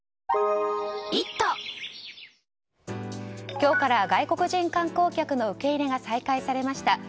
今日から外国人観光客の受け入れが再開されました。